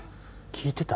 聞いてた？